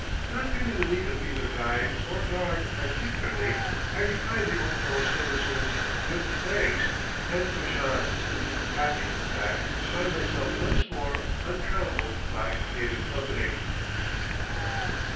Not feeling the need of either guide or guard particularly, I decline the old fellow's services "with thanks," and push on; happy, in fact, to find myself once more untrammelled by native company.